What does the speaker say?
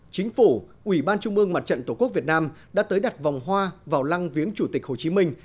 chính phủ ủy ban trung mương mặt trận tổ quốc việt nam đã tới đặt vòng hoa vào lăng viếng chủ tịch hồ chí minh